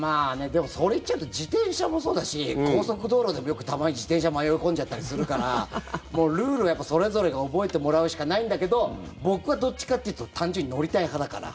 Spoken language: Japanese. それ言っちゃうと自転車もそうだし高速道路でも、たまに自転車迷い込んじゃったりするからルールはそれぞれが覚えてもらうしかないんだけど僕はどっちかというと単純に乗りたい派だから。